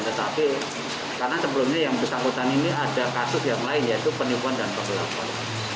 tetapi karena sebelumnya yang bersangkutan ini ada kasus yang lain yaitu penipuan dan penggelapan